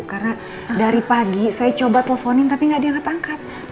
karena dari pagi saya coba teleponin tapi gak ada yang ngetangkat